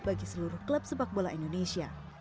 bagi seluruh klub sepak bola indonesia